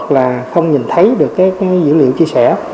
là không nhìn thấy được cái dữ liệu chia sẻ